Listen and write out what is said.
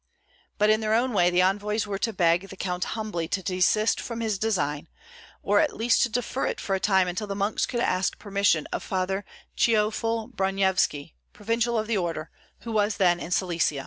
But in their own way the envoys were to beg the Count humbly to desist from his design, or at least to defer it for a time until the monks could ask permission of Father Teofil Bronyevski, Provincial of the order, who was then in Silesia.